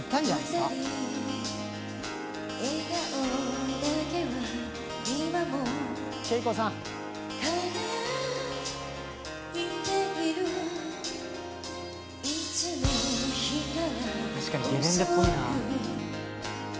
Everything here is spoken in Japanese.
確かにゲレンデっぽいな。